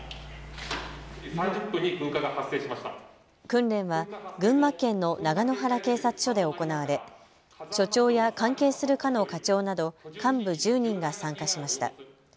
訓練は群馬県の長野原警察署で行われ、署長や関係する課の課長など幹部１０人が参加しました。